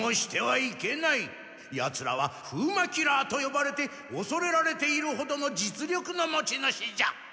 ヤツらは風魔キラーとよばれておそれられているほどの実力の持ち主じゃ。